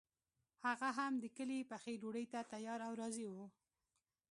هغه هم د کلي پخې ډوډۍ ته تیار او راضي وو.